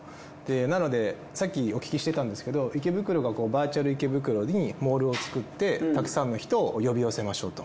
なのでさっきお聞きしてたんですけど池袋がバーチャル池袋にモールを作ってたくさんの人を呼び寄せましょうと。